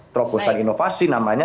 terobosan inovasi namanya